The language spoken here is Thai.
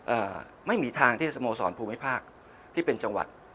เอ่อไม่มีทางที่สโมสรภูมิภาคที่เป็นจังหวัด